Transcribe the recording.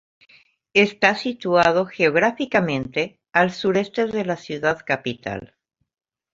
Está situado geográficamente al sureste de la ciudad capital.